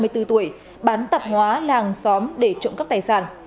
năm mươi bốn tuổi bán tạp hóa làng xóm để trộm các tài sản